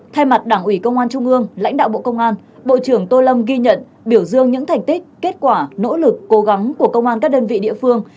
thay mặt đảng ủy công an trung ương lãnh đạo bộ công an bộ trưởng tô lâm ghi nhận biểu dương những thành tích kết quả nỗ lực cố gắng của công an các đơn vị địa phương